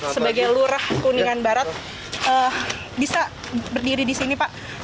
sebagai lurah kuningan barat bisa berdiri di sini pak